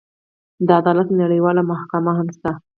د عدالت نړیواله محکمه هم شته.